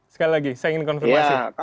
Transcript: sekali lagi saya ingin konfirmasi